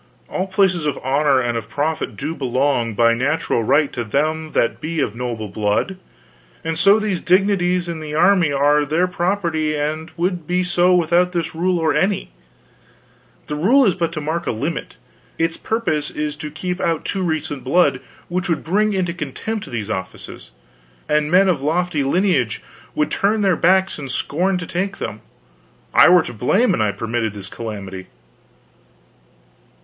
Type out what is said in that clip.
All places of honor and of profit do belong, by natural right, to them that be of noble blood, and so these dignities in the army are their property and would be so without this or any rule. The rule is but to mark a limit. Its purpose is to keep out too recent blood, which would bring into contempt these offices, and men of lofty lineage would turn their backs and scorn to take them. I were to blame an I permitted this calamity.